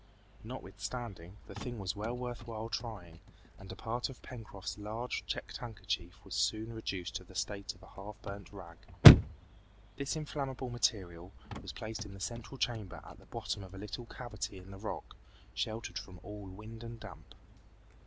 Notwithstanding, the thing was well worth while trying, and a part of Pencroft's large checked handkerchief was soon reduced to the state of a half burnt rag. This inflammable material was placed in the central chamber at the bottom of a little cavity in the rock, sheltered from all wind and damp.